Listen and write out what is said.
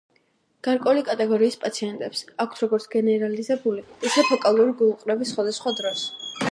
გარკვეული კატეგორიის პაციენტებს აქვთ როგორც გენერალიზებული, ისე ფოკალური გულყრები სხვადასხვა დროს.